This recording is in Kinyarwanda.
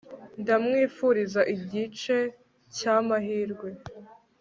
Ndamwifuriza igice cyamahirwe